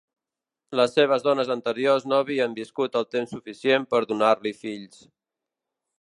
Les seves dones anteriors no havien viscut el temps suficient per donar-li fills.